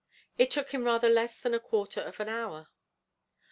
_It took him rather less than a quarter of an hour.